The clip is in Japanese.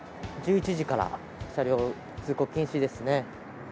１１時から車両通行禁止ですね。